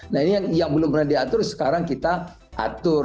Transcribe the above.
nah ini yang belum pernah diatur sekarang kita atur